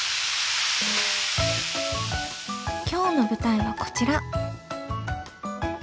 今日の舞台はこちら。